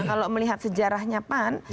kalau melihat sejarahnya pan